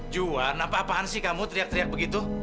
juan apa apaan sih kamu teriak teriak begitu